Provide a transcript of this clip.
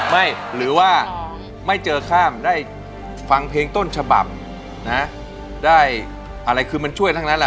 หรือว่าไม่เจอข้ามได้ฟังเพลงต้นฉบับนะได้อะไรคือมันช่วยทั้งนั้นล่ะ